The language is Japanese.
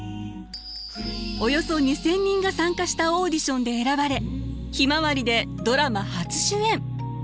およそ２，０００人が参加したオーディションで選ばれ「ひまわり」でドラマ初主演。